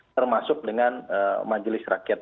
termasuk dengan majelis rakyat